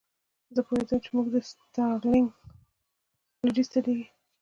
زه پوهېدم چې موږ د ستالینګراډ لویدیځ ته لېږي